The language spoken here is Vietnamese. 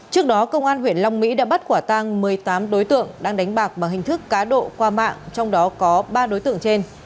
trước đó công an huyện long mỹ đã bắt quả tang một mươi tám đối tượng đang đánh bạc bằng hình thức cá độ qua mạng trong đó có ba đối tượng trên